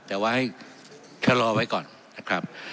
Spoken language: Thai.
แต่ว่าให้ชะลอไว้ก่อนนะครับ